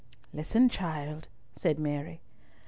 "Listen, child," said Mary.